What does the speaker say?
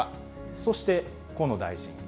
そして河野大臣。